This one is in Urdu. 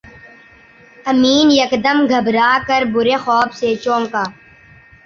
امیں یکدم گھبرا کر برے خواب سے چونکا